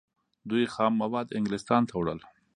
دوی خام مواد انګلستان ته وړل.